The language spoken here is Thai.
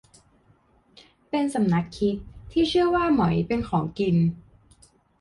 เป็นสำนักคิดที่เชื่อว่า หมอยเป็นของกิน